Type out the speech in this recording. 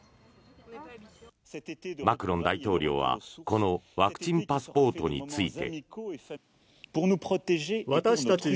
マクロン大統領はこのワクチンパスポートについて。